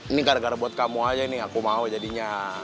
ini gara gara buat kamu aja ini aku mau jadinya